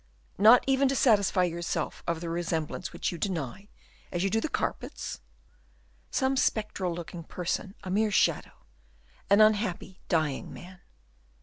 "Not even to satisfy yourself of the resemblance which you deny, as you do the carpets?" "Some spectral looking person, a mere shadow; an unhappy, dying man."